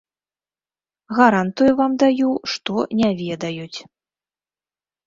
Гарантыю вам даю, што не ведаюць.